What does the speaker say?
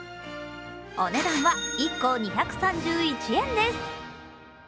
お値段は、１個２３１円です。